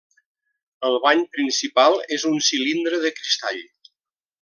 El bany principal és un cilindre de cristall.